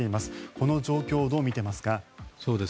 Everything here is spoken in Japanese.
この状況をどう見ていますか。